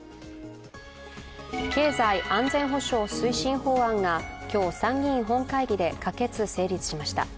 経済安全保障推進法案が今日、参議院本会議で可決・成立しました。